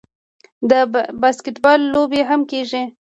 د باسکیټبال لوبې هم کیږي.